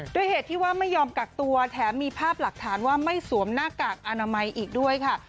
ด้วยเหตุที่ว่าไม่ยอมกักตัวแถมมีภาพหลักฐานว่าไม่สวมหน้ากากอนามัยอีกด้วยค่ะ